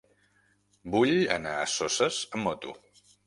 Vull anar a Soses amb moto.